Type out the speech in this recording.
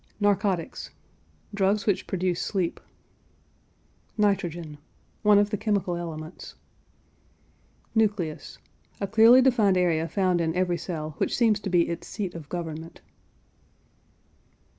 NARCOTICS. Drugs which produce sleep. NITROGEN. One of the chemical elements. NUCLEUS. A clearly defined area found in every cell which seems to be its seat of government.